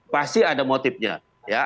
pasti ada motifnya ya